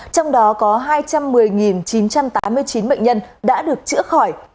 trong đó có hai trăm một mươi chín trăm tám mươi chín bệnh nhân đã được chữa khỏi